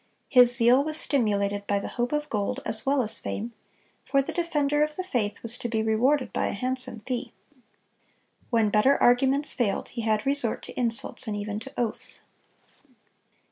His zeal was stimulated by the hope of gold as well as fame; for the defender of the faith was to be rewarded by a handsome fee. When better arguments failed, he had resort to insults, and even to oaths.